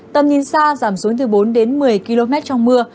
tầm nhìn xa giảm xuống từ bốn đến một mươi km trong mưa